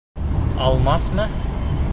Алмас, мә!